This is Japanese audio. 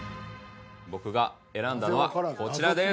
僕が選んだのはこちらです。